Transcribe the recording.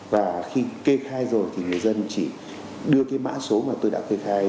và khi kê khai rồi thì người dân chỉ đưa cái mã số mà tôi đã kê khai